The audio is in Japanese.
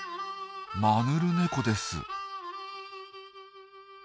マヌルネコです。